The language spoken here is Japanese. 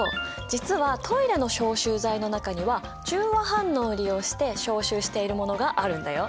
実はトイレの消臭剤の中には中和反応を利用して消臭しているものがあるんだよ。